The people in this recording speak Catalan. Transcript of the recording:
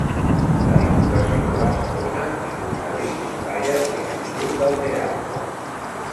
La Diputació de Barcelona li concedí la Medalla de l'Institut del Teatre.